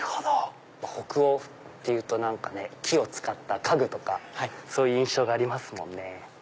北欧っていうと木を使った家具とかそういう印象がありますもんね。